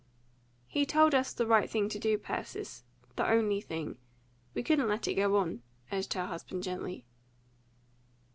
"He told us the right thing to do, Persis, the only thing. We couldn't let it go on," urged her husband gently.